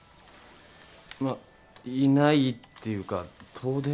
まあいないっていうか遠出？